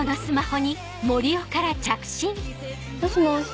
もしもし。